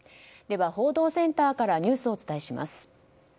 では、報道センターからニュースをお伝えします。